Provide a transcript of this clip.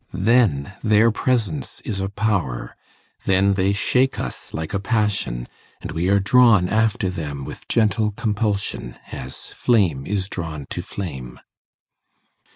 Then their presence is a power, then they shake us like a passion, and we are drawn after them with gentle compulsion, as flame is drawn to flame.